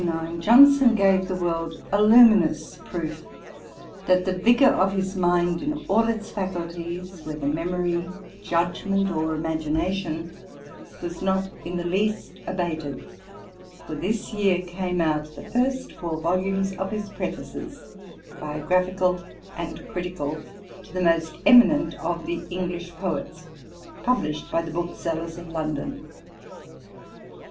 In 1779, Johnson gave the world a luminous proof that the vigour of his mind in all its faculties, whether memory, judgement, or imagination, was not in the least abated; for this year came out the first four volumes of his Prefaces, biographical and critical, to the most eminent of the English Poets,[*] published by the booksellers of London.